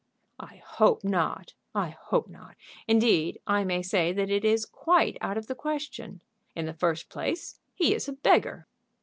"I hope not; I hope not. Indeed, I may say that it is quite out of the question. In the first place, he is a beggar."